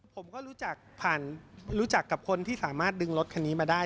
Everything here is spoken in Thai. ผมก็รู้จักผ่านรู้จักกับคนที่สามารถดึงรถคันนี้มาได้